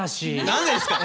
何でですか。